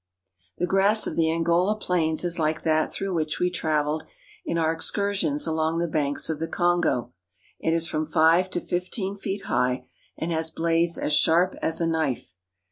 The grass of the Angola plains is like that through which we traveled in our excursions along the banks of the Kongo. It is from five to fifteen feet high, and has blades as sharp as a knife.